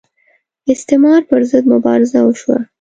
استعمار پر ضد مبارزه وشوه